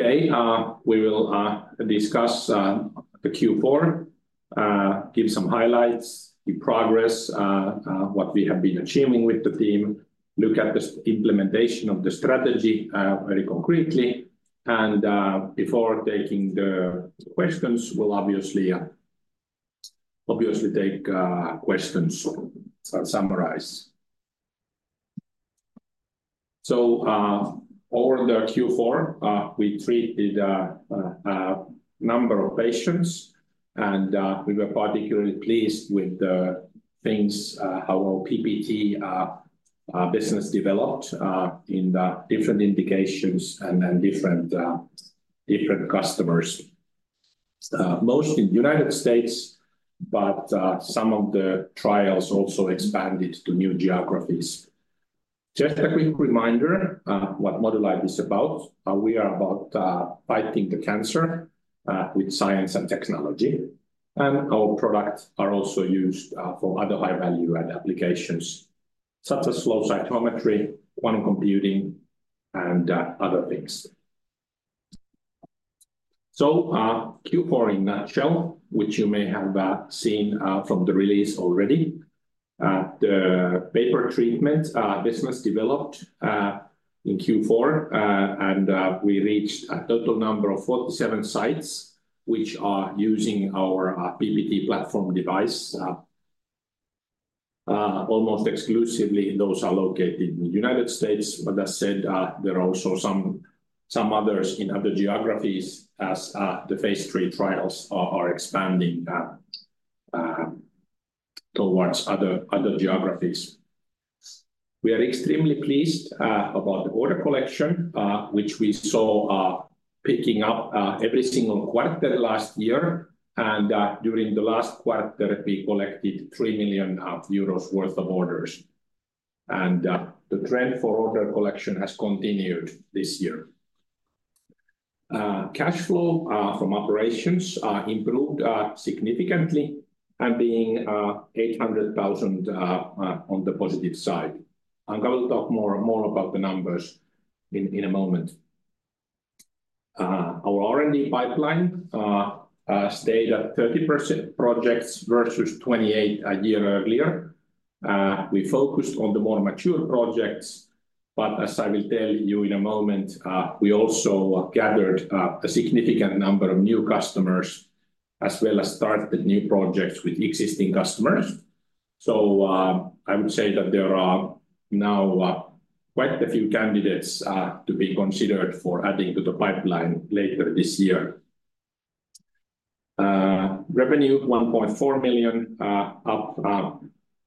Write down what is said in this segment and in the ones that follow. Today, we will discuss the Q4, give some highlights, the progress, what we have been achieving with the team, look at the implementation of the strategy very concretely, and before taking the questions, we'll obviously take questions or summarize. Over the Q4, we treated a number of patients, and we were particularly pleased with how our PPT business developed in the different indications and then different customers, most in the United States, but some of the trials also expanded to new geographies. Just a quick reminder of what Modulight is about: we are about fighting cancer with science and technology, and our products are also used for other high-value applications such as flow cytometry, quantum computing, and other things. Q4 in a shell, which you may have seen from the release already, the pay-per-treatment business developed in Q4, and we reached a total number of 47 sites which are using our PPT platform device. Almost exclusively, those are located in the United States, but that said, there are also some others in other geographies as the phase three trials are expanding towards other geographies. We are extremely pleased about the order collection, which we saw picking up every single quarter last year, and during the last quarter, we collected 3.5 million euros worth of orders, and the trend for order collection has continued this year. Cash flow from operations improved significantly, being 800,000 on the positive side. I'm going to talk more about the numbers in a moment. Our R&D pipeline stayed at 30% projects versus 28% a year earlier. We focused on the more mature projects, but as I will tell you in a moment, we also gathered a significant number of new customers as well as started new projects with existing customers. I would say that there are now quite a few candidates to be considered for adding to the pipeline later this year. Revenue: EUR 1.4 million, up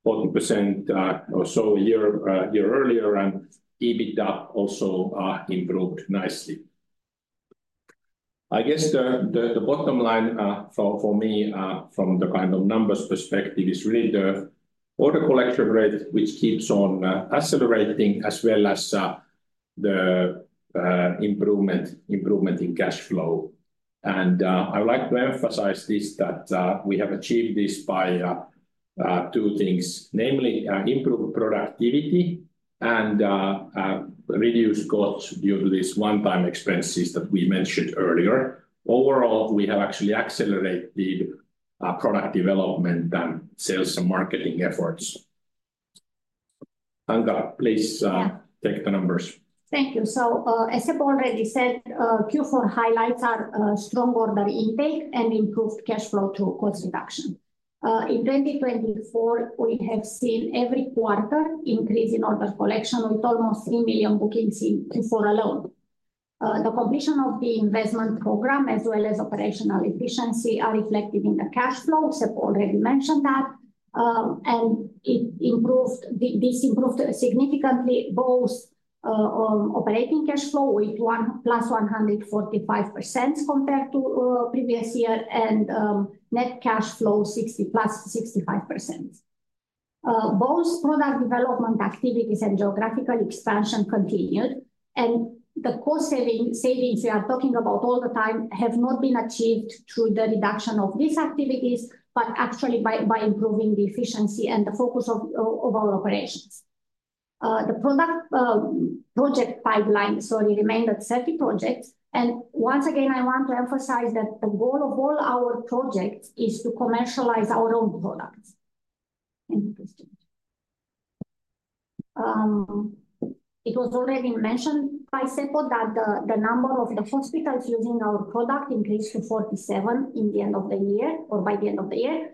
40% or so a year earlier, and EBITDA also improved nicely. I guess the bottom line for me, from the kind of numbers perspective, is really the order collection rate, which keeps on accelerating, as well as the improvement in cash flow. I would like to emphasize this: we have achieved this by two things, namely improved productivity and reduced costs due to these one-time expenses that we mentioned earlier. Overall, we have actually accelerated product development and sales and marketing efforts. Anca, please take the numbers. Thank you. As I already said, Q4 highlights are strong order intake and improved cash flow through cost reduction. In 2024, we have seen every quarter increase in order collection with almost 3 million bookings in Q4 alone. The completion of the investment program, as well as operational efficiency, are reflected in the cash flow. Seppo already mentioned that, and this improved significantly both operating cash flow with plus 145% compared to previous year and net cash flow plus 65%. Both product development activities and geographical expansion continued, and the cost savings we are talking about all the time have not been achieved through the reduction of these activities, but actually by improving the efficiency and the focus of our operations. The project pipeline, sorry, remained at 30 projects, and once again, I want to emphasize that the goal of all our projects is to commercialize our own products. It was already mentioned by Seppo that the number of the hospitals using our product increased to 47 by the end of the year,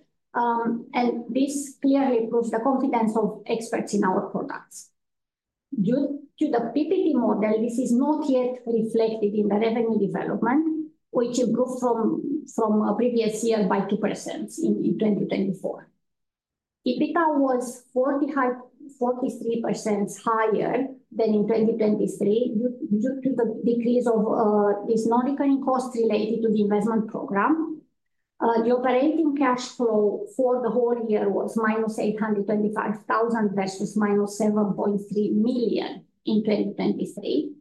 and this clearly proves the confidence of experts in our products. Due to the PPT model, this is not yet reflected in the revenue development, which improved from the previous year by 2% in 2024. EBITDA was 43% higher than in 2023 due to the decrease of this non-recurring cost related to the investment program. The operating cash flow for the whole year was -825,000 versus -7.3 million in 2023.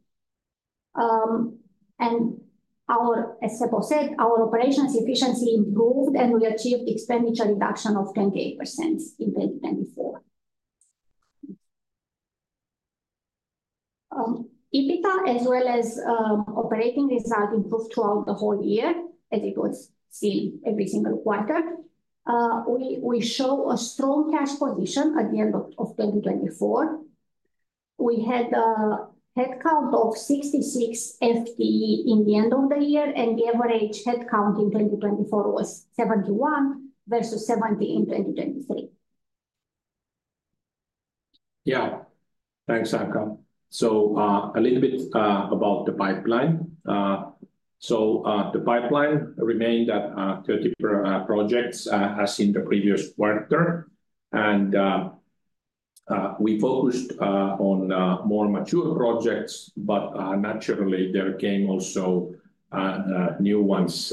As Seppo said, our operations efficiency improved, and we achieved expenditure reduction of 28% in 2024. EBITDA, as well as operating result, improved throughout the whole year, as it was seen every single quarter. We show a strong cash position at the end of 2024. We had a headcount of 66 FTE at the end of the year, and the average headcount in 2024 was 71 versus 70 in 2023. Yeah, thanks, Anca. A little bit about the pipeline. The pipeline remained at 30 projects as in the previous quarter, and we focused on more mature projects, but naturally, there came also new ones.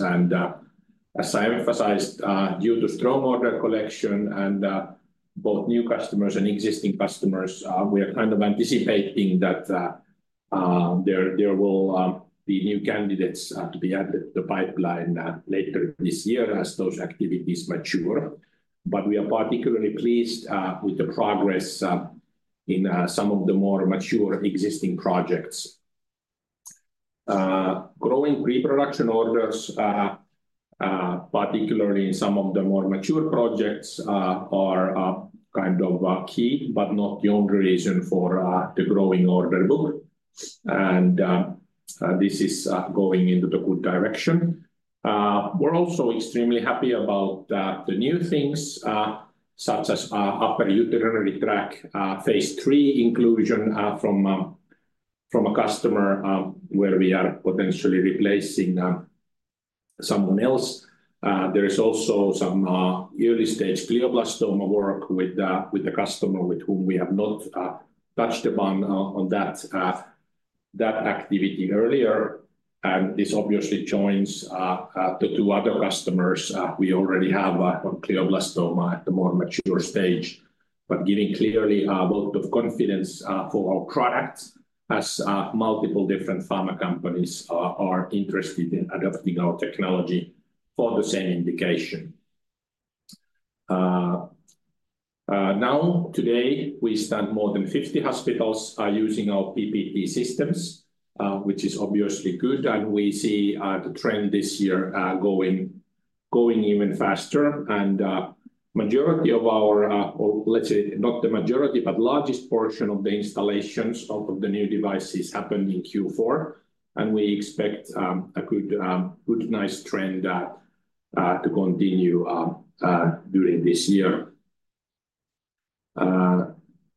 As I emphasized, due to strong order collection and both new customers and existing customers, we are kind of anticipating that there will be new candidates to be added to the pipeline later this year as those activities mature. We are particularly pleased with the progress in some of the more mature existing projects. Growing pre-production orders, particularly in some of the more mature projects, are kind of key, but not the only reason for the growing order book, and this is going into the good direction. We're also extremely happy about the new things such as upper urinary tract phase three inclusion from a customer where we are potentially replacing someone else. There is also some early stage glioblastoma work with the customer with whom we have not touched upon that activity earlier, and this obviously joins the two other customers we already have on glioblastoma at the more mature stage, but giving clearly a vote of confidence for our product as multiple different pharma companies are interested in adopting our technology for the same indication. Now, today, we stand more than 50 hospitals using our PPT systems, which is obviously good, and we see the trend this year going even faster. The majority of our, let's say, not the majority, but the largest portion of the installations of the new devices happened in Q4. We expect a good, nice trend to continue during this year.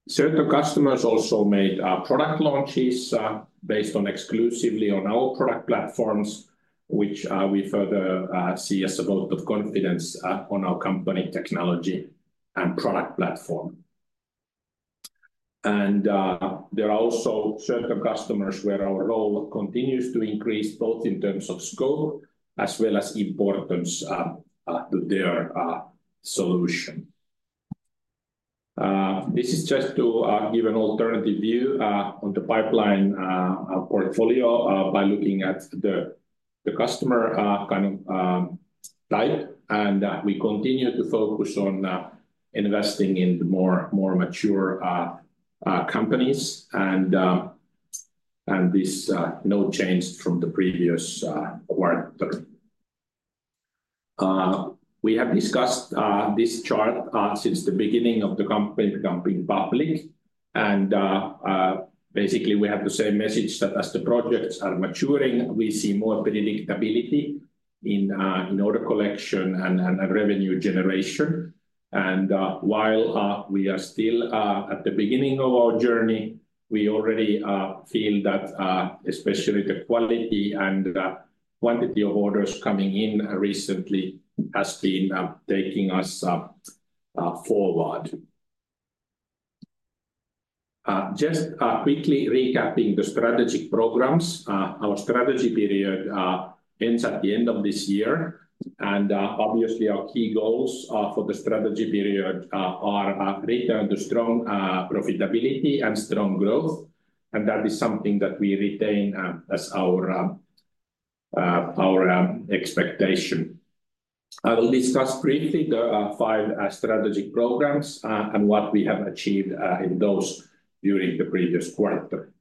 Certain customers also made product launches based exclusively on our product platforms, which we further see as a vote of confidence on our company technology and product platform. There are also certain customers where our role continues to increase both in terms of scope as well as importance to their solution. This is just to give an alternative view on the pipeline portfolio by looking at the customer kind of type, and we continue to focus on investing in the more mature companies, and this is no change from the previous quarter. We have discussed this chart since the beginning of the company becoming public, and basically, we have the same message that as the projects are maturing, we see more predictability in order collection and revenue generation. While we are still at the beginning of our journey, we already feel that especially the quality and quantity of orders coming in recently has been taking us forward. Just quickly recapping the strategic programs, our strategy period ends at the end of this year, and obviously, our key goals for the strategy period are return to strong profitability and strong growth, and that is something that we retain as our expectation. I will discuss briefly the five strategic programs and what we have achieved in those during the previous quarter.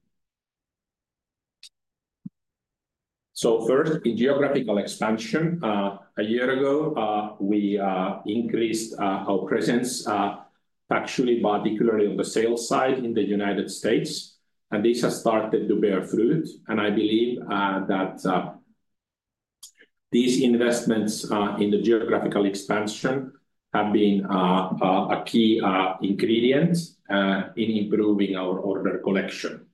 First, in geographical expansion, a year ago, we increased our presence actually particularly on the sales side in the U.S., and this has started to bear fruit, and I believe that these investments in the geographical expansion have been a key ingredient in improving our order collection.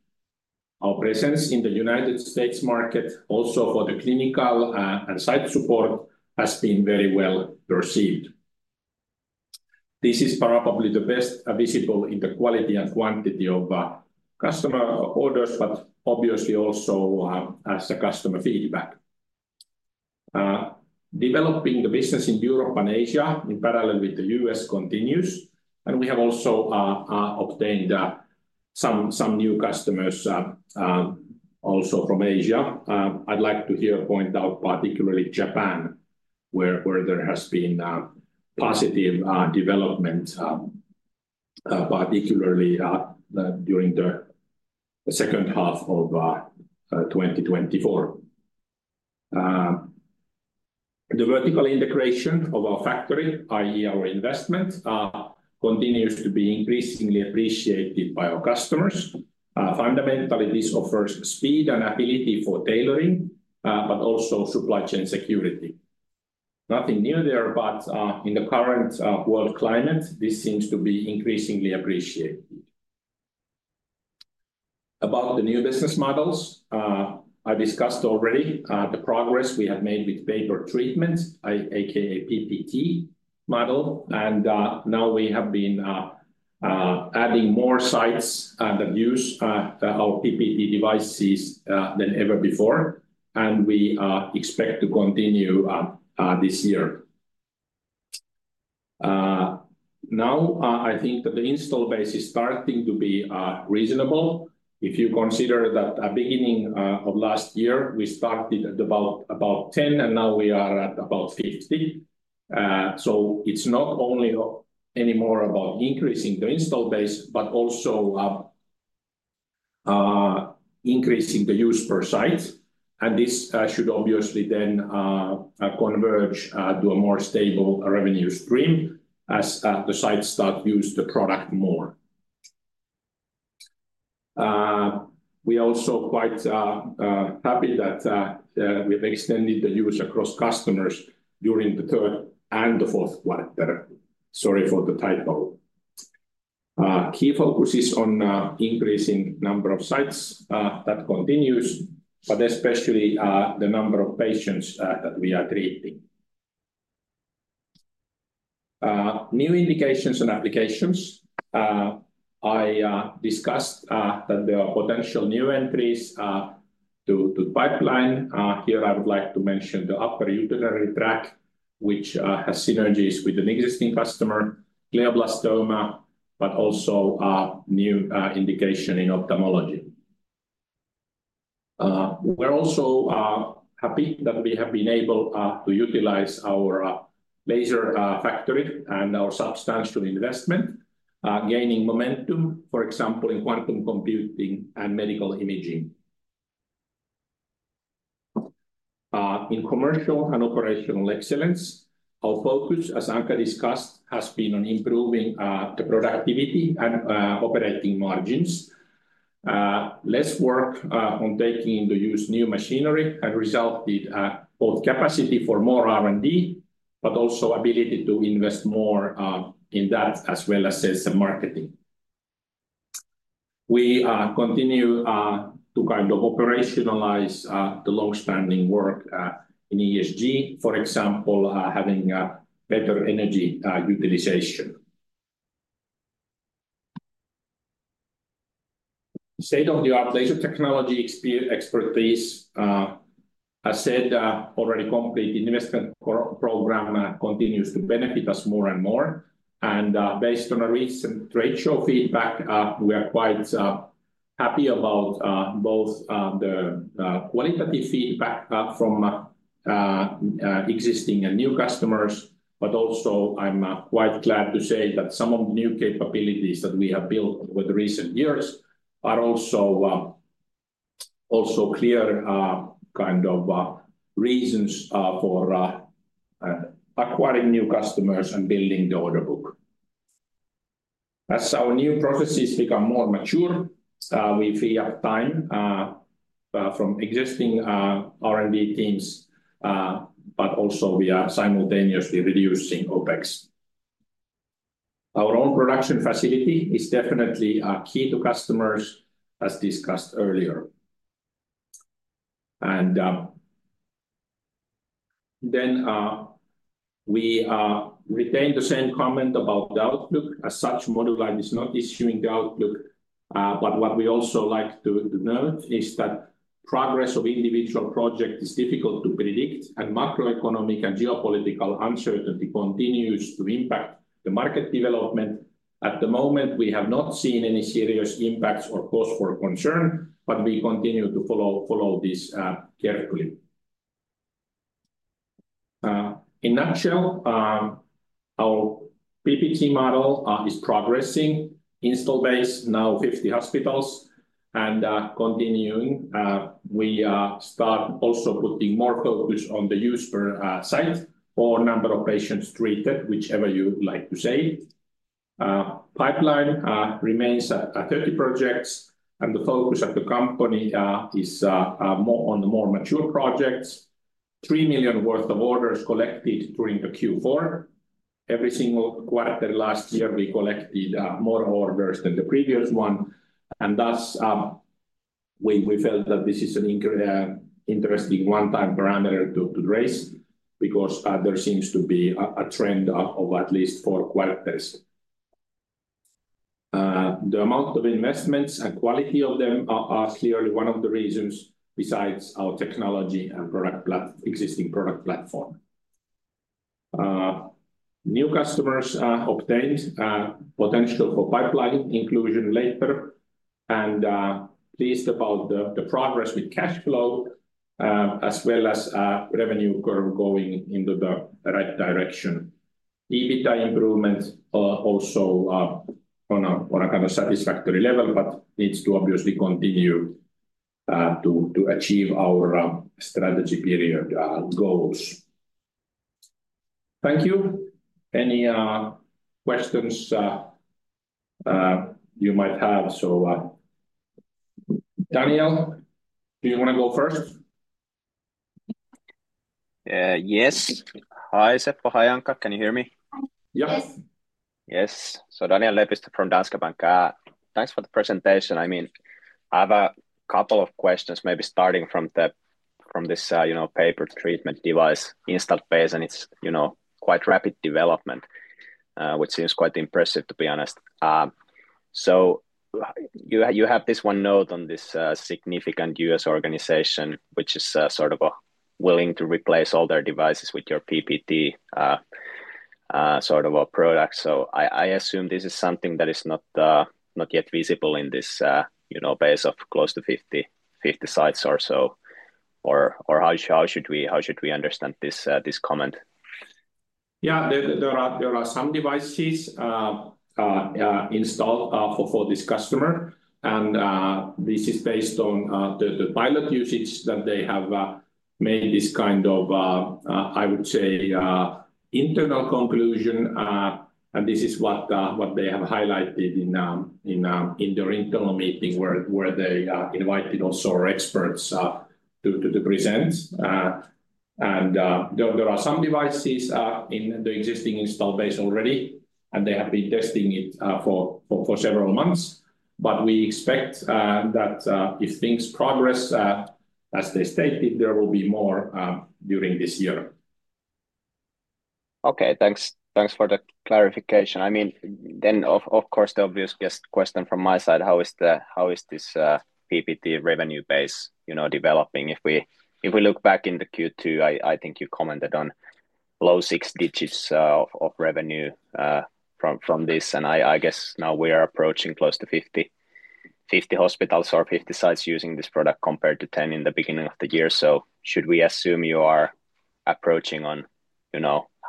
Our presence in the United States market, also for the clinical and site support, has been very well perceived. This is probably the best visible in the quality and quantity of customer orders, but obviously also as the customer feedback. Developing the business in Europe and Asia in parallel with the United States continues, and we have also obtained some new customers also from Asia. I'd like to here point out particularly Japan, where there has been positive development, particularly during the second half of 2024. The vertical integration of our factory, i.e., our investment, continues to be increasingly appreciated by our customers. Fundamentally, this offers speed and ability for tailoring, but also supply chain security. Nothing new there, but in the current world climate, this seems to be increasingly appreciated. About the new business models, I discussed already the progress we have made with pay-per-treatment, aka PPT model, and now we have been adding more sites that use our PPT devices than ever before, and we expect to continue this year. Now, I think that the install base is starting to be reasonable. If you consider that at the beginning of last year, we started at about 10, and now we are at about 50. It is not only anymore about increasing the install base, but also increasing the use per site, and this should obviously then converge to a more stable revenue stream as the sites start to use the product more. We are also quite happy that we have extended the use across customers during the third and the fourth quarter. Sorry for the typo. Key focus is on increasing the number of sites that continues, but especially the number of patients that we are treating. New indications and applications. I discussed that there are potential new entries to the pipeline. Here I would like to mention the upper urinary track, which has synergies with an existing customer, glioblastoma, but also new indication in ophthalmology. We are also happy that we have been able to utilize our laser factory and our substantial investment, gaining momentum, for example, in quantum computing and medical imaging. In commercial and operational excellence, our focus, as Anca discussed, has been on improving the productivity and operating margins. Less work on taking into use new machinery has resulted in both capacity for more R&D, but also ability to invest more in that as well as marketing. We continue to kind of operationalize the long-standing work in ESG, for example, having better energy utilization. State-of-the-art laser technology expertise, as said, already complete investment program continues to benefit us more and more, and based on a recent trade show feedback, we are quite happy about both the qualitative feedback from existing and new customers, but also I'm quite glad to say that some of the new capabilities that we have built over the recent years are also clear kind of reasons for acquiring new customers and building the order book. As our new processes become more mature, we free up time from existing R&D teams, but also we are simultaneously reducing OpEx. Our own production facility is definitely key to customers, as discussed earlier. We retain the same comment about the outlook. As such, Modulight is not issuing the outlook, but what we also like to note is that progress of individual projects is difficult to predict, and macroeconomic and geopolitical uncertainty continues to impact the market development. At the moment, we have not seen any serious impacts or cause for concern, but we continue to follow this carefully. In a nutshell, our PPT model is progressing. Install base, now 50 hospitals, and continuing, we start also putting more focus on the user site or number of patients treated, whichever you like to say. Pipeline remains at 30 projects, and the focus of the company is more on the more mature projects. 3 million worth of orders collected during the Q4. Every single quarter last year, we collected more orders than the previous one, and thus we felt that this is an interesting one-time parameter to raise because there seems to be a trend of at least four quarters. The amount of investments and quality of them are clearly one of the reasons besides our technology and existing product platform. New customers obtained potential for pipeline inclusion later, and pleased about the progress with cash flow as well as revenue curve going into the right direction. EBITDA improvement also on a kind of satisfactory level, but needs to obviously continue to achieve our strategy period goals. Thank you. Any questions you might have? Daniel, do you want to go first? Yes. Hi, Seppo or Anca, can you hear me? Yes. Yes. Daniel Lepistö from Danske Bank. Thanks for the presentation. I mean, I have a couple of questions maybe starting from this pay-per-treatment device install phase, and it's quite rapid development, which seems quite impressive to be honest. You have this one note on this significant U.S. organization, which is sort of willing to replace all their devices with your PPT sort of product. I assume this is something that is not yet visible in this base of close to 50 sites or so, or how should we understand this comment? Yeah, there are some devices installed for this customer, and this is based on the pilot usage that they have made this kind of, I would say, internal conclusion. This is what they have highlighted in their internal meeting where they invited also our experts to present. There are some devices in the existing install base already, and they have been testing it for several months, but we expect that if things progress as they stated, there will be more during this year. Okay, thanks for the clarification. I mean, then of course, the obvious question from my side, how is this PPT revenue base developing? If we look back in the Q2, I think you commented on low six digits of revenue from this, and I guess now we are approaching close to 50 hospitals or 50 sites using this product compared to 10 in the beginning of the year. Should we assume you are approaching on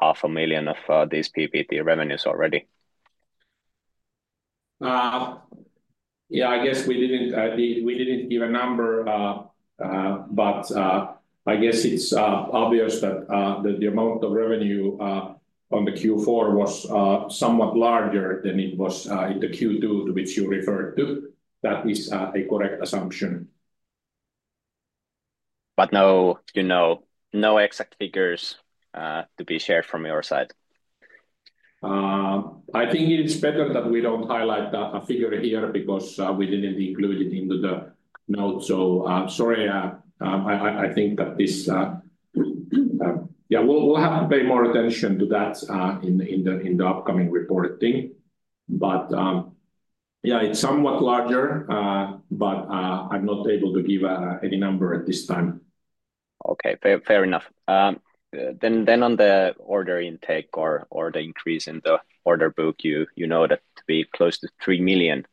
$500,000 of these PPT revenues already? Yeah, I guess we didn't give a number, but I guess it's obvious that the amount of revenue on the Q4 was somewhat larger than it was in the Q2 to which you referred to. That is a correct assumption. No exact figures to be shared from your side. I think it's better that we don't highlight a figure here because we didn't include it into the note. Sorry, I think that this, yeah, we'll have to pay more attention to that in the upcoming reporting. Yeah, it's somewhat larger, but I'm not able to give any number at this time. Okay, fair enough. Then on the order intake or the increase in the order book, you know that to be close to 3 million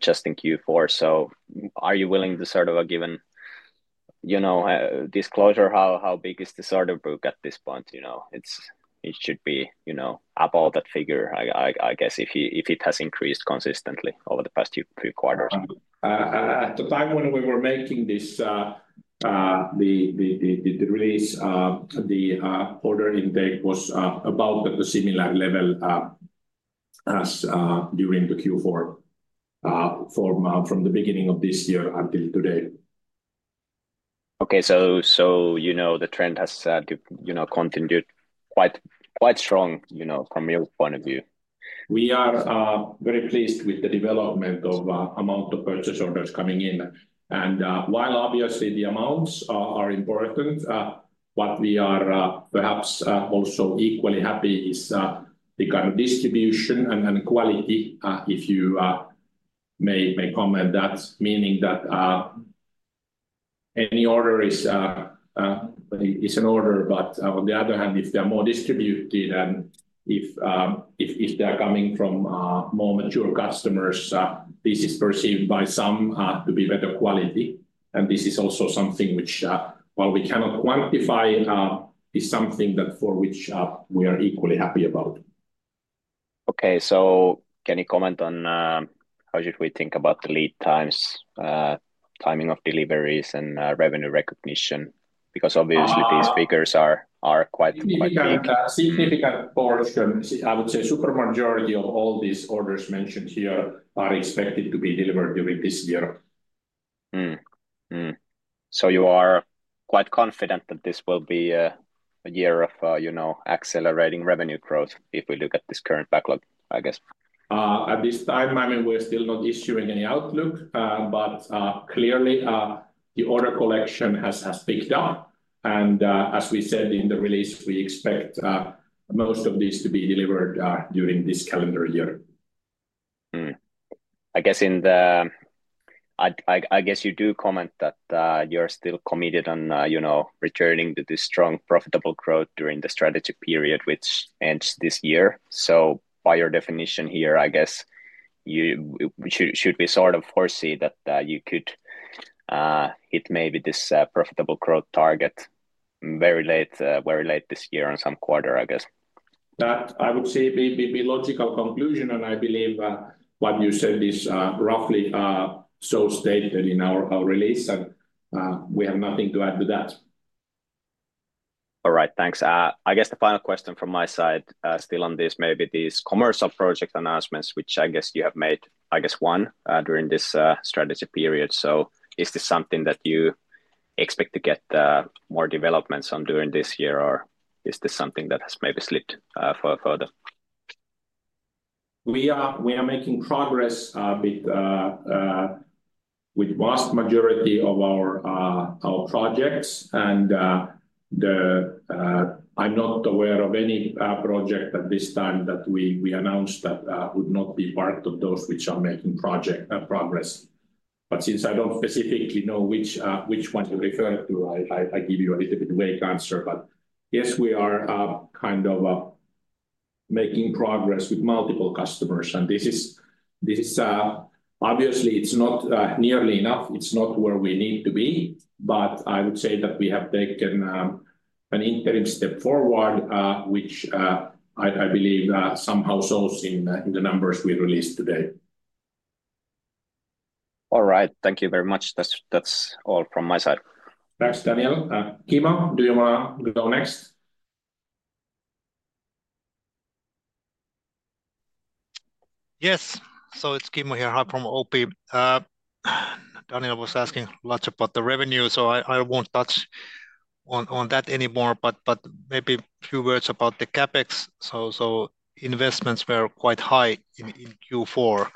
just in Q4. Are you willing to sort of give a disclosure how big is this order book at this point? It should be above that figure, I guess, if it has increased consistently over the past few quarters. At the time when we were making this, the release, the order intake was about at the similar level as during the Q4 from the beginning of this year until today. Okay, you know the trend has continued quite strong from your point of view. We are very pleased with the development of the amount of purchase orders coming in. While obviously the amounts are important, what we are perhaps also equally happy is the kind of distribution and quality, if you may comment that, meaning that any order is an order, but on the other hand, if they are more distributed and if they are coming from more mature customers, this is perceived by some to be better quality. This is also something which, while we cannot quantify, is something for which we are equally happy about. Okay, can you comment on how should we think about the lead times, timing of deliveries, and revenue recognition? Because obviously these figures are quite big. Significant portion, I would say super majority of all these orders mentioned here are expected to be delivered during this year. You are quite confident that this will be a year of accelerating revenue growth if we look at this current backlog, I guess? At this time, I mean, we're still not issuing any outlook, but clearly the order collection has picked up. As we said in the release, we expect most of these to be delivered during this calendar year. I guess you do comment that you're still committed on returning to this strong profitable growth during the strategic period, which ends this year. By your definition here, I guess, should we sort of foresee that you could hit maybe this profitable growth target very late this year on some quarter, I guess? That I would say be a logical conclusion, and I believe what you said is roughly so stated in our release, and we have nothing to add to that. All right, thanks. I guess the final question from my side still on this, maybe these commercial project announcements, which I guess you have made, I guess one during this strategy period. Is this something that you expect to get more developments on during this year, or is this something that has maybe slipped further? We are making progress with the vast majority of our projects, and I'm not aware of any project at this time that we announced that would not be part of those which are making progress. Since I don't specifically know which one you referred to, I give you a little bit of a vague answer, but yes, we are kind of making progress with multiple customers, and this is obviously not nearly enough. It's not where we need to be, but I would say that we have taken an interim step forward, which I believe somehow shows in the numbers we released today. All right, thank you very much. That's all from my side. Thanks, Daniel. Kimmo, do you want to go next? Yes, so it's Kimmo here, hi from OP. Daniel was asking lots about the revenue, so I won't touch on that anymore, but maybe a few words about the CapEx. So investments were quite high in Q4,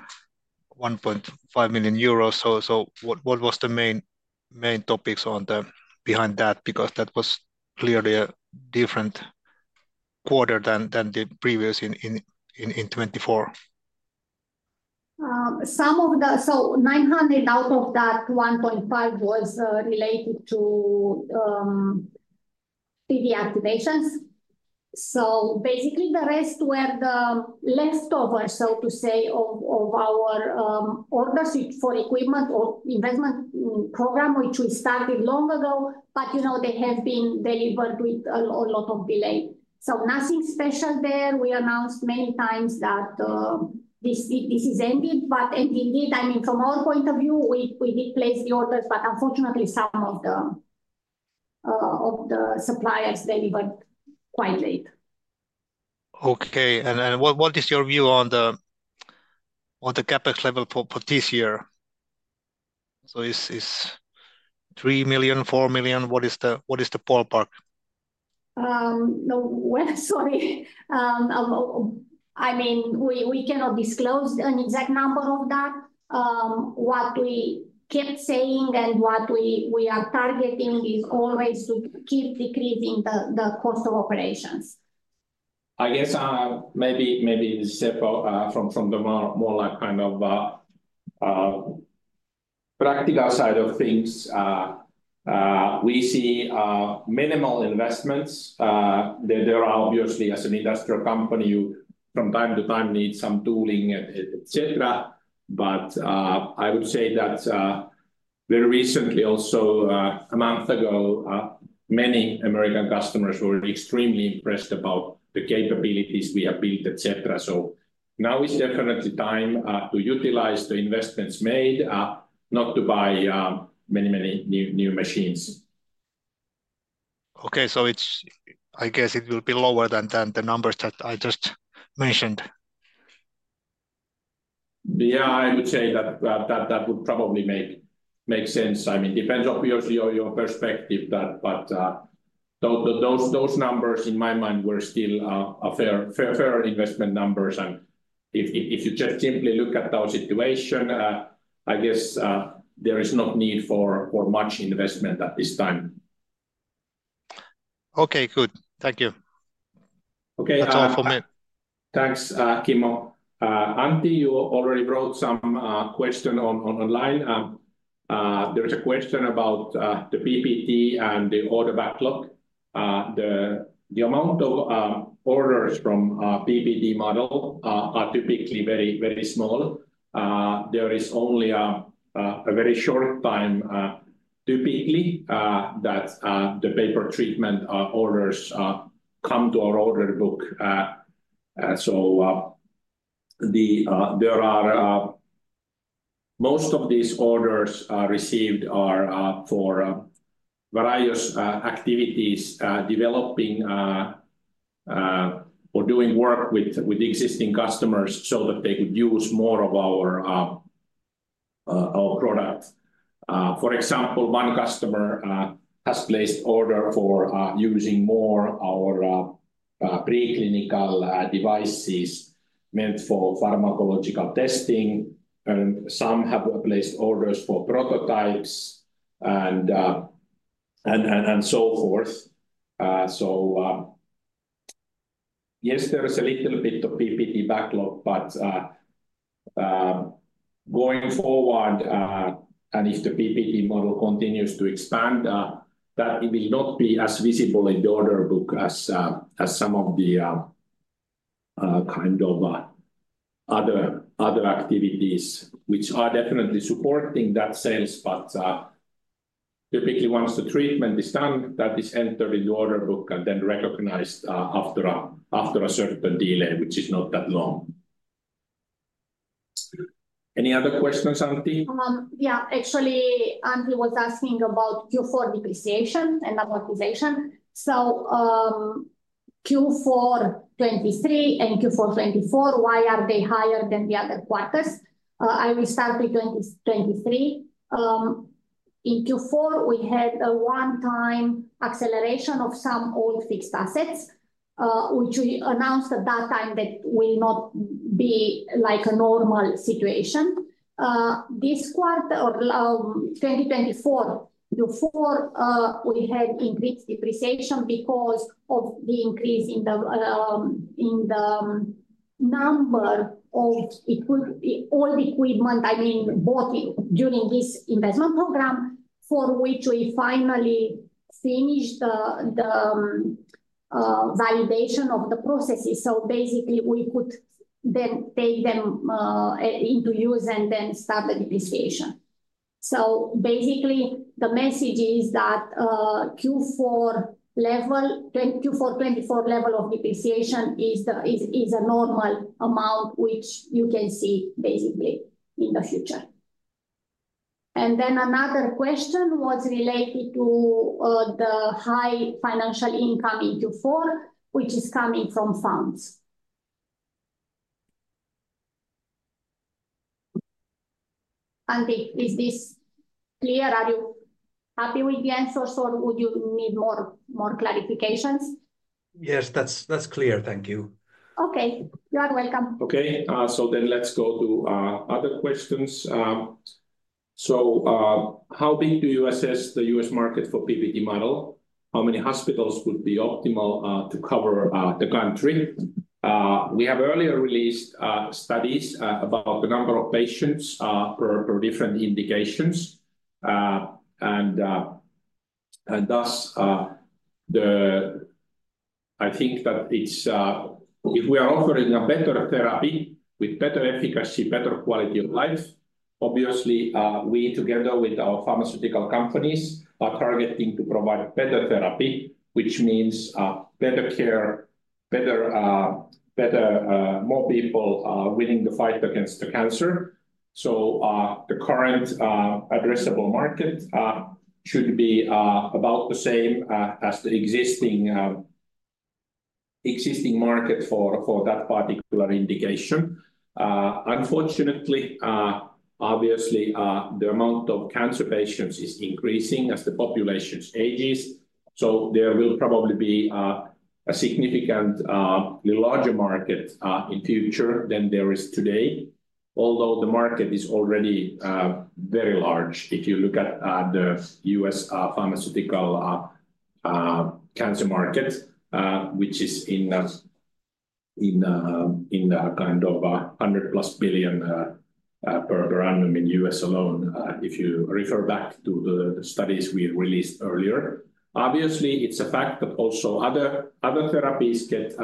1.5 million euros. So what was the main topics behind that? Because that was clearly a different quarter than the previous in 2024. 900 out of that 1.5 was related to R&D activations. Basically, the rest were the leftover, so to say, of our orders for equipment or investment program, which we started long ago, but they have been delivered with a lot of delay. Nothing special there. We announced many times that this is ended, but indeed, I mean, from our point of view, we did place the orders, but unfortunately some of the suppliers delivered quite late. Okay, what is your view on the CapEx level for this year? Is 3 million, 4 million, what is the ballpark? Sorry, I mean, we cannot disclose an exact number of that. What we kept saying and what we are targeting is always to keep decreasing the cost of operations. I guess maybe Seppo from the more kind of practical side of things, we see minimal investments. There are obviously, as an industrial company, from time to time need some tooling, etc. I would say that very recently, also a month ago, many American customers were extremely impressed about the capabilities we have built, etc. Now it's definitely time to utilize the investments made, not to buy many, many new machines. Okay, I guess it will be lower than the numbers that I just mentioned. Yeah, I would say that that would probably make sense. I mean, depends obviously on your perspective, but those numbers in my mind were still fair investment numbers. And if you just simply look at our situation, I guess there is no need for much investment at this time. Okay, good. Thank you. Okay, that's all from me. Thanks, Kimmo. Antti, you already wrote some questions online. There is a question about the PPT and the order backlog. The amount of orders from the PPT model are typically very small. There is only a very short time, typically, that the pay-per-treatment orders come to our order book. Most of these orders received are for various activities developing or doing work with existing customers so that they could use more of our products. For example, one customer has placed an order for using more of our preclinical devices meant for pharmacological testing, and some have placed orders for prototypes and so forth. Yes, there is a little bit of PPT backlog, but going forward, and if the PPT model continues to expand, that will not be as visible in the order book as some of the kind of other activities, which are definitely supporting that sales, but typically once the treatment is done, that is entered into the order book and then recognized after a certain delay, which is not that long. Any other questions, Anti? Yeah, actually, Anti was asking about Q4 depreciation and amortization. Q4 2023 and Q4 2024, why are they higher than the other quarters? I will start with 2023. In Q4, we had a one-time acceleration of some old fixed assets, which we announced at that time that will not be like a normal situation. This quarter of 2024, Q4, we had increased depreciation because of the increase in the number of old equipment, I mean, bought during this investment program, for which we finally finished the validation of the processes. Basically, we could then take them into use and then start the depreciation. Basically, the message is that Q4 level, Q4 2024 level of depreciation is a normal amount, which you can see basically in the future. Another question was related to the high financial income in Q4, which is coming from funds. Antti, is this clear? Are you happy with the answers, or would you need more clarifications? Yes, that's clear. Thank you. Okay, you are welcome. Okay, so let's go to other questions. How big do you assess the U.S. market for the PPT model? How many hospitals would be optimal to cover the country? We have earlier released studies about the number of patients for different indications. I think that if we are offering a better therapy with better efficacy, better quality of life, obviously, we together with our pharmaceutical companies are targeting to provide better therapy, which means better care, more people winning the fight against cancer. The current addressable market should be about the same as the existing market for that particular indication. Unfortunately, the amount of cancer patients is increasing as the population ages. There will probably be a significantly larger market in the future than there is today, although the market is already very large if you look at the U.S. pharmaceutical cancer market, which is in kind of $100 billion-plus per annum in the U.S. alone, if you refer back to the studies we released earlier. Obviously, it's a fact that also other therapies get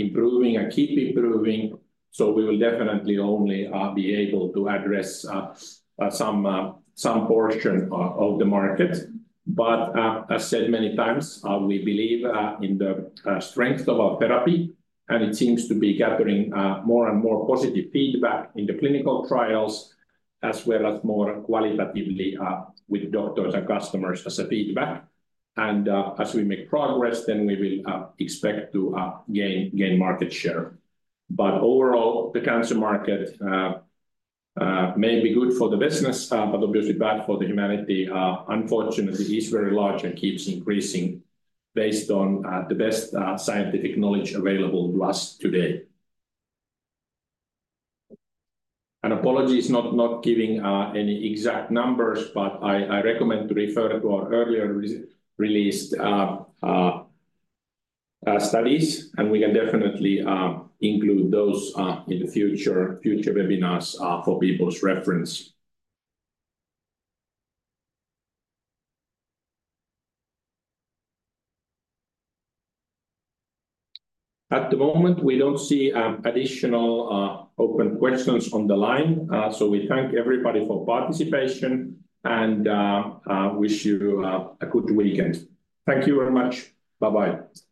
improving and keep improving. We will definitely only be able to address some portion of the market. As said many times, we believe in the strength of our therapy, and it seems to be gathering more and more positive feedback in the clinical trials, as well as more qualitatively with doctors and customers as feedback. As we make progress, we will expect to gain market share. Overall, the cancer market may be good for the business, but obviously bad for humanity, unfortunately, is very large and keeps increasing based on the best scientific knowledge available to us today. Apologies for not giving any exact numbers, but I recommend to refer to our earlier released studies, and we can definitely include those in the future webinars for people's reference. At the moment, we do not see additional open questions on the line. We thank everybody for participation and wish you a good weekend. Thank you very much. Bye-bye.